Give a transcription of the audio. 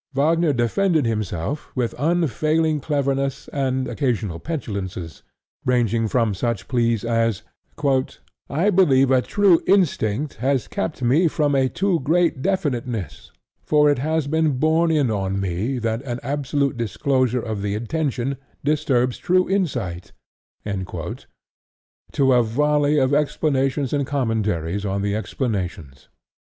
Wagner defended himself with unfailing cleverness and occasional petulances, ranging from such pleas as "I believe a true instinct has kept me from a too great definiteness; for it has been borne in on me that an absolute disclosure of the intention disturbs true insight," to a volley of explanations and commentaries on the explanations.